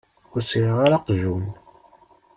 Ur sɛiɣ ara aqjun.